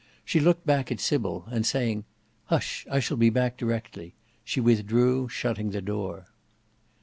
She looked back at Sybil, and saying, "Hush, I shall be back directly," she withdrew, shutting the door.